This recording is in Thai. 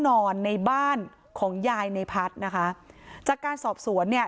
นอนในบ้านของยายในพัฒน์นะคะจากการสอบสวนเนี่ย